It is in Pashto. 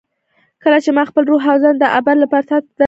کله چې ما خپل روح او ځان د ابد لپاره تا ته درکړل.